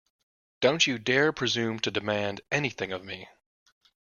Don't you dare presume to demand anything of me!